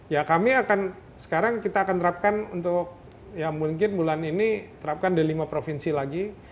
ya kami akan sekarang kita akan terapkan untuk ya mungkin bulan ini terapkan di lima provinsi lagi